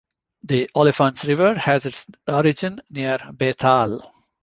The Olifants River has its origin near Bethal.